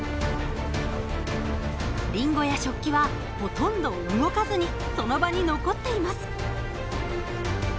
りんごや食器はほとんど動かずにその場に残っています。